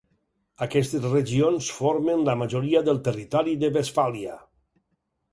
Aquestes regions formen la majoria del territori de Westfàlia.